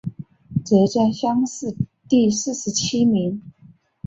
浙江乡试第四十七名。